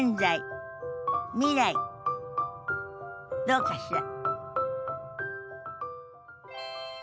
どうかしら？